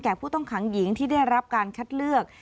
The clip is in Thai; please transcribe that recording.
ผู้ต้องขังหญิงที่ได้รับการคัดเลือก